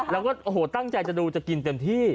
แล้วก็โอ้โหตั้งใจจะดูจะกินเต็มที่